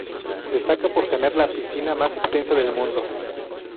Destaca por tener la piscina más extensa del mundo.